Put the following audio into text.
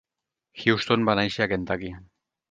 Houston va néixer a Kentucky.